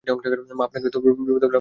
মা আপনাকে বিপদে ফেলবার মতলব করছেন।